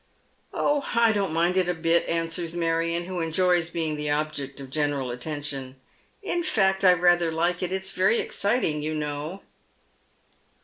" Oh, I don't mind it a bit," answers Marion, who enjoys being the object of general attention. " In fact, I rather like it. It's very exciting, you know."